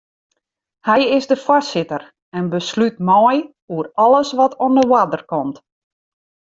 Hy is de foarsitter en beslút mei oer alles wat oan de oarder komt.